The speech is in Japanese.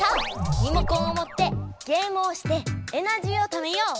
リモコンを持ってゲームをしてエナジーをためよう。